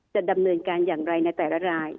จะดำเนินการอย่างไรในแต่ละราย